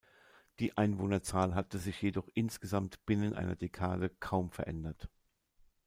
Die Einwohnerzahl hatte sich jedoch insgesamt binnen einer Dekade kaum verändert.